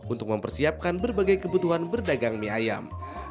untuk mempersiapkan berbagai kebutuhan berdagang mie ayam